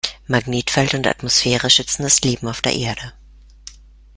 Magnetfeld und Atmosphäre schützen das Leben auf der Erde.